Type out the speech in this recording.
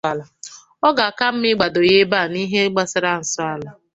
Ọ ga-aka mma ịgbado ya ebe a n'ihe gbasaara Nsọala